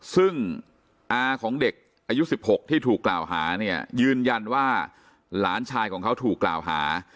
ซึ่งอาของเด็กอายุ๑๖ที่ถูกกล่าวหาเนี่ยยืนยันว่าหลานชายของเขาถูกกล่าวหา